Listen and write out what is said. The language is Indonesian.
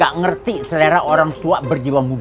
gak ngerti selera orang tua berjiwa muda